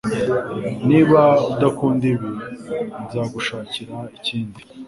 Niba udakunda ibi, nzagushakira ikindi.